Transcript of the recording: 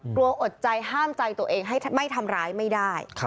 อดใจห้ามใจตัวเองให้ไม่ทำร้ายไม่ได้